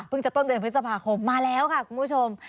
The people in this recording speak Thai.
จะต้นเดือนพฤษภาคมมาแล้วค่ะคุณผู้ชม